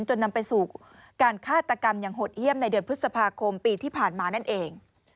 จนนำไปสู่การฆาตกรรมอย่างโหดเยี่ยมในเดือนพฤษภาคมปีที่ผ่านมานั่นเอง